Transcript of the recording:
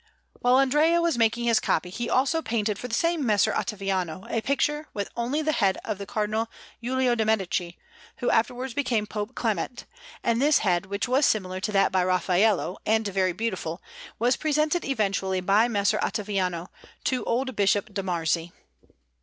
While Andrea was making this copy, he also painted for the same Messer Ottaviano a picture with only the head of Cardinal Giulio de' Medici, who afterwards became Pope Clement; and this head, which was similar to that by Raffaello, and very beautiful, was presented eventually by Messer Ottaviano to old Bishop de' Marzi.